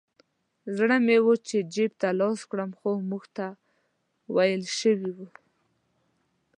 زړه مې و چې جیب ته لاس کړم خو موږ ته ویل شوي وو.